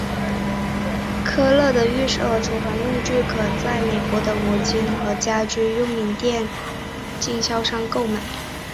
科勒的浴室和厨房用具可在美国的五金和家居用品店以及科勒厨房和浴室经销商购买。